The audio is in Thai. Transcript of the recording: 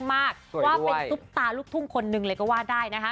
ว่าเป็นซุปตาลูกทุ่งคนหนึ่งเลยก็ว่าได้นะคะ